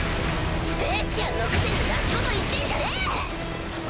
スペーシアンのくせに泣き言言ってんじゃねぇ！